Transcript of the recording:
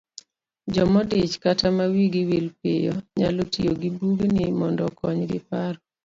Jomodich kata ma wigi wil piyo, nyalo tiyo gi bugni mondo okonyji paro